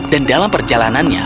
dan dalam perjalanannya